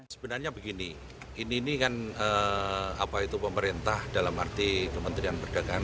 sebenarnya begini ini kan apa itu pemerintah dalam arti kementerian perdagangan